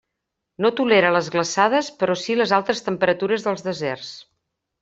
No tolera les glaçades però si les altes temperatures dels deserts.